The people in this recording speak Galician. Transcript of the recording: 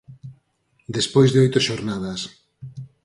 Despois de oito xornadas.